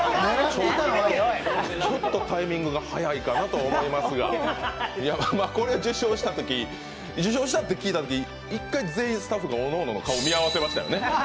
ちょっとタイミングが早いかなと思いますがこれ受賞したって聞いたとき、一回、全員、スタッフがおのおのの顔、見合わせましたよね。